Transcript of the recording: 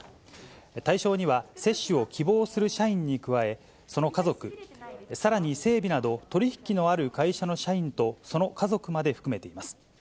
対象には、接種を希望する社員に加え、その家族、さらに整備など取り引きのある会社の社員とその家族まで含めています。